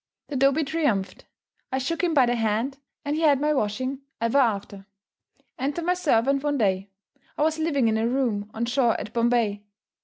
The dobee triumphed. I shook him by the hand, and he had my washing ever after. Enter my servant one day. I was living in a room on shore at Bombay.